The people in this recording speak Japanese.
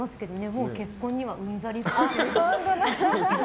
もう結婚にはうんざりっっぽい。